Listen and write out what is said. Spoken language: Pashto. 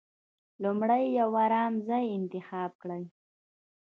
لومړی يو ارام ځای انتخاب کړئ.